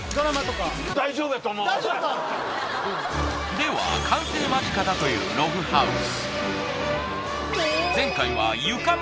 では完成間近だというログハウス。